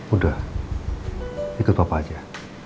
udah ikut papa aja